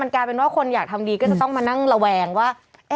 มันกลายเป็นว่าคนอยากทำดีก็จะต้องมารวมแหลงว่า